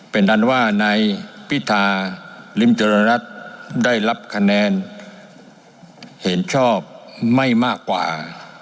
เป็นอันว่านายพิธาริมเจริญรัฐได้รับคะแนนเห็นชอบไม่มากกว่า